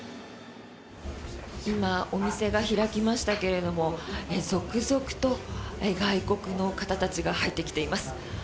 今お店が開きましたけれども続々と外国の方たちが入ってきています。